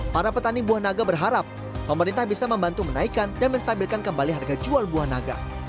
para petani buah naga berharap pemerintah bisa membantu menaikkan dan menstabilkan kembali harga jual buah naga